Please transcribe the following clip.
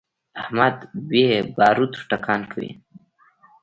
احمد بې باروتو ټکان کوي.